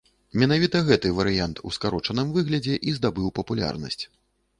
Менавіта гэты варыянт у скарочаным выглядзе і здабыў папулярнасць.